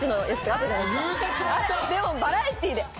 あれでもバラエティーで。